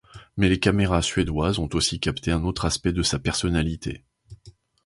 Mais les caméras suédoises ont aussi capté un autre aspect de sa personnalité.